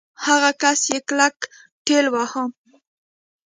هغه کس يې کلک ټېلوهه.